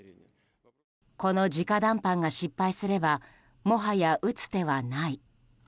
この直談判が失敗すればもはや打つ手はない。